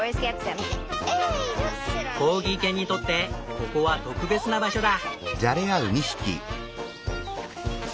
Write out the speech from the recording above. コーギー犬にとってここは特別な場所だ。